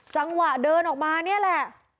จังหวะเดินออกมานี่แหละ